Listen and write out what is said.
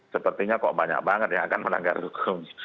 sepertinya kok banyak banget yang akan melanggar hukum